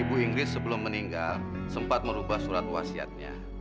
ibu ingrid sebelum meninggal sempat merubah surat puasiannya